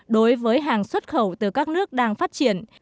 đối với hàng xuất khẩu từ các nước đang phát triển